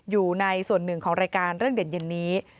อยู่ในส่วนหนึ่งของรายการเรื่องเด่นนี้